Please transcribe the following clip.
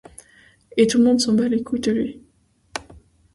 Et tout le monde s'en bas les couilles de lui.